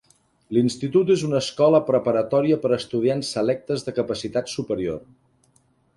L'institut és una escola preparatòria per a estudiants selectes de capacitat superior.